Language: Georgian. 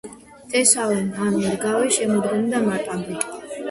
თესავენ ან რგავენ შემოდგომიდან მარტამდე.